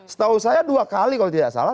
setahu saya dua kali kalau tidak salah